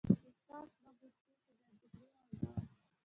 احساس به مو شي چې د اندېښنې وړ نه وه.